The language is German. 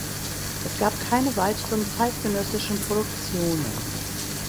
Es gab keine weiteren zeitgenössischen Produktionen.